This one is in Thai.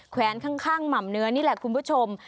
แวนข้างหม่ำเนื้อนี่แหละคุณผู้ชม